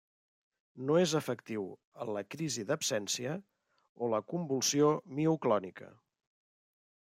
No és efectiu en la crisi d'absència o la convulsió mioclònica.